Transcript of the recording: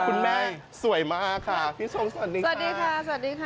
คุณไงสวยมากสวัสดี